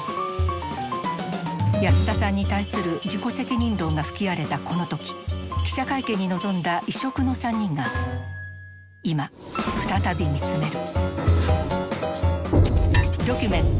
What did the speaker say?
安田さんに対する「自己責任論」が吹き荒れたこの時記者会見に臨んだ異色の３人が今再び見つめる。